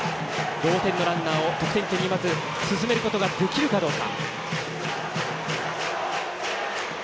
同点のランナーを得点圏にまず進めることができるかどうか。